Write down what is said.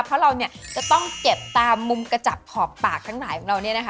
เพราะเราเนี่ยจะต้องเก็บตามมุมกระจับหอบปากทั้งหลายของเราเนี่ยนะคะ